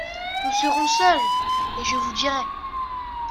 Nous serons seuls, et je vous dirai…